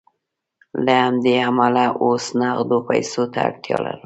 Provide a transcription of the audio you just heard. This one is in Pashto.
له همدې امله اوس نغدو پیسو ته اړتیا لرم